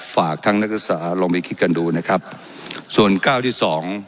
ฝากทั้งนักศึกษาลองไปคิดกันดูนะครับส่วนก้าวที่สอง